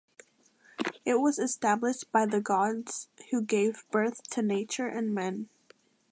It was established by the gods who gave birth to nature and men.